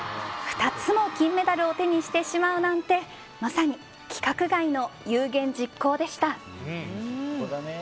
２つも金メダルを手にしてしまうなんてまさに規格外の有言実行でした。